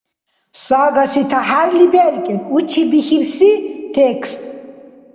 Сагаси тяхӀярли белкӀен учибихьибси текст